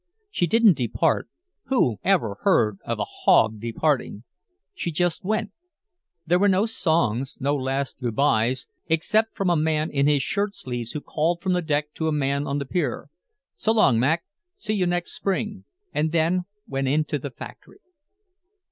She didn't depart. Who ever heard of a hog departing? She just went. There were no songs, no last good byes except from a man in his shirt sleeves who called from the deck to a man on the pier, "So long, Mac, see you next Spring," and then went into the factory.